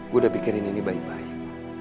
gue udah pikirin ini baik baik